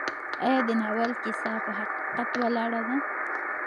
ایا د ناول کیسه په حقیقت ولاړه ده؟